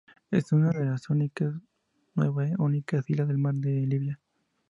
Es una de las únicas nueve únicas islas del mar de Libia.